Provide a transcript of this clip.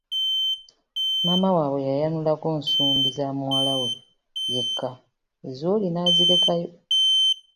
Maama waabwe yayanulako nsumbi za muwala we yekka ez’oli nazirekayo.